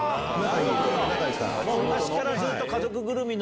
昔からずっと家族ぐるみの！